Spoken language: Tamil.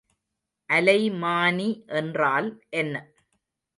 அலைமானி என்றால் என்ன?